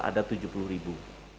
ada tujuh puluh ribu